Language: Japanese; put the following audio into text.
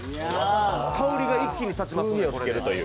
香りが一気に立ちますよ。